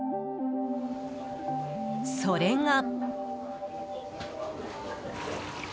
それが。